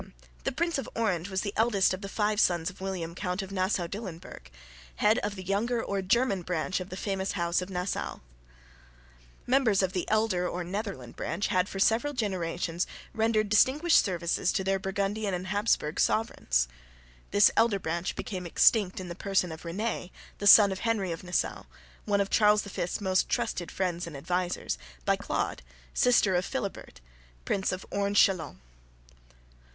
The Prince of Orange was the eldest of the five sons of William, Count of Nassau Dillenburg, head of the younger or German branch of the famous house of Nassau. Members of the elder or Netherland branch had for several generations rendered distinguished services to their Burgundian and Habsburg sovereigns. This elder branch became extinct in the person of Réné, the son of Henry of Nassau, one of Charles V's most trusted friends and advisers, by Claude, sister of Philibert, Prince of Orange Châlons.